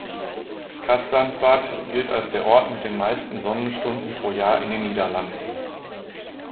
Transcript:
Cadzand-Bad gilt als der Ort mit den meisten Sonnenstunden pro Jahr in den Niederlanden.